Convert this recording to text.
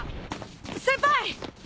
先輩！